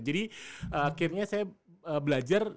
jadi akhirnya saya belajar